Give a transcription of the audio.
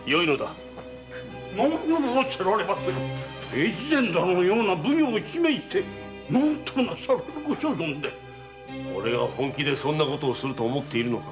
越前殿のような奉行を罷免して何となさるご所存で⁉俺が本気でそんなことをすると思っているのか。